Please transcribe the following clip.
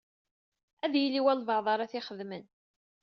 Ad yili walebɛaḍ ara t-ixedmen.